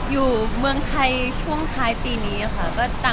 อยู่เหมือนถ่ายของช่วงคล้ายปีนี้ค่ะ